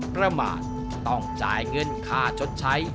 ประมาทต้องจ่ายเงินค่าชดใช้